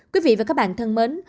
quý vị và các bạn thân mến